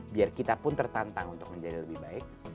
biar kita pun tertantang untuk menjadi lebih baik